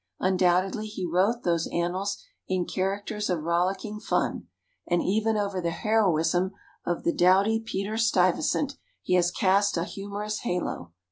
Undoubtedly he wrote those annals in characters of rollicking fun, and even over the heroism of the doughty Peter Stuyvesant he has cast a humorous halo.